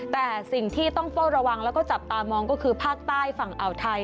แต่สิ่งที่ต้องเฝ้าระวังแล้วก็จับตามองก็คือภาคใต้ฝั่งอ่าวไทย